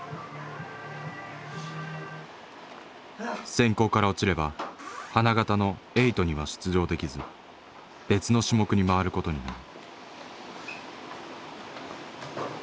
選考から落ちれば花形の「エイト」には出場できず別の種目に回ることになる。